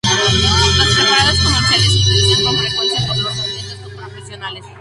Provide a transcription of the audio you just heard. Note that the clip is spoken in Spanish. Los preparados comerciales se utilizan con frecuencia por los atletas profesionales.